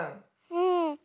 うん。